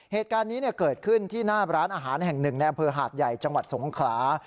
เหตุการณ์นี้เกิดขึ้นที่หน้าร้านอาหารแห่งหนึ่งในอำเภอหาดใหญ่จังหวัดสงขลา